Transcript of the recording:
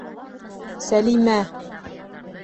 Сәлимә!